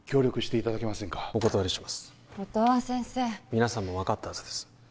皆さんも分かったはずです